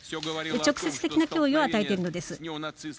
直接的な脅威を与えているのです。